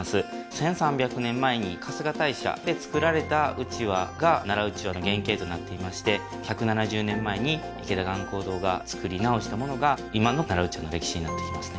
１３００年前に春日大社で作られた団扇が奈良団扇の原形となっていまして１７０年前に池田含香堂が作り直したものが今の奈良団扇の歴史になってきますね